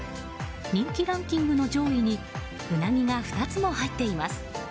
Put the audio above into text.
人気ランキングの上位にウナギが２つも入っています。